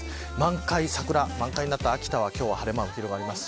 満開桜満開になった秋田も今日は晴れ間が広がります。